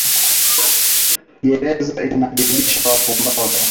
Gereza inaadibisha wa pumbafu